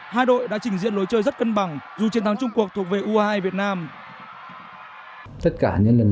hai đội đã trình diện lối chơi rất cân bằng dù chiến thắng chung cuộc thuộc về u hai mươi hai việt nam